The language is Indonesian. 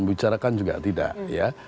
bicarakan juga tidak ya